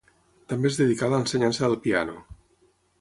També es dedicà a l'ensenyança del piano.